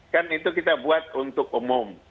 kan itu kita buat untuk umum